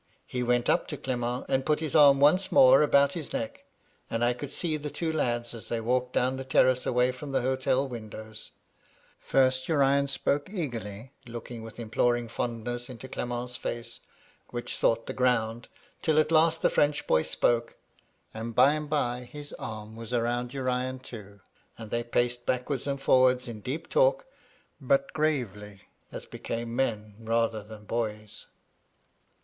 He wenUup to Clement, and put his arm once more about his neck, and I could see the two lads as they walked down the terrace away from the h8tel windows : first Urian spoke eagerly, looking with imploring fondness into Clement's face, which sought the ground, till at last the French boy spoke, and by and by his arm was roimd Urian too, and they paced backwards and forwards in deep talk, but gravely, as became men, rather than boys.